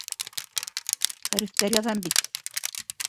Хәрефтәр яҙам бит.